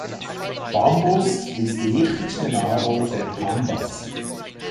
Bambus ist die wichtigste Nahrung der Pandas.